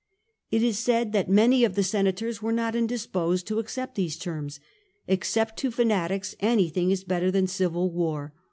It is said that many of the senators were not indisposed to accept these terms : except to fanatics, any thing is better than civil war.